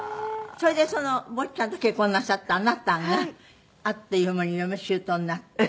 それでその坊ちゃんと結婚なさったあなたがあっという間に嫁姑になって。